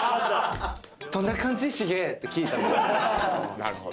なるほど。